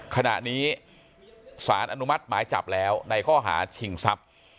ขณะนี้สารอนุมัติหมายจับแล้วในข้อหาชิงทรัพย์